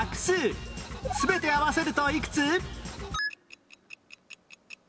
全て合わせるといくつ？